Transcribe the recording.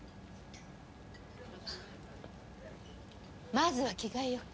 まずは着替えようか。